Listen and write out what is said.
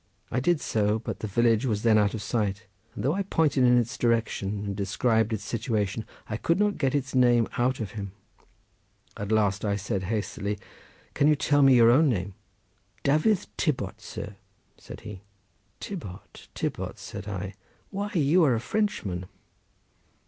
I did so, but the village was then out of sight, and though I pointed in its direction, and described its situation, I could not get its name out of him. At length I said hastily, "Can you tell me your own name?" "Dafydd Tibbot, sir," said he. "Tibbot, Tibbot," said I; "why, you are a Frenchman."